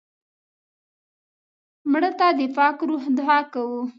مړه ته د پاک روح دعا کوو